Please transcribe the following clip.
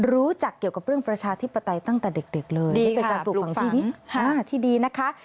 รู้จักเกี่ยวกับเรื่องประชาธิปไตยตั้งแต่เด็กเด็กเลยดีค่ะปลูกฟังที่นี้ที่ดีนะคะ